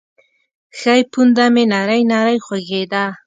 ښۍ پونده مې نرۍ نرۍ خوږېده.